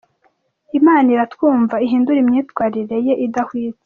Imana iratumva ihindure imyitwariye ye idahwitse !!».